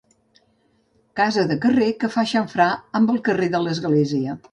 Casa de carrer que fa xamfrà amb el carrer de l'església.